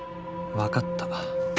わかった。